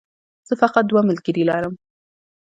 زه فقط دوه ملګري لرم